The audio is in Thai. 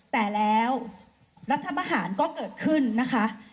แต่แล้วรัฐประหารก็เกิดขึ้นนะคะ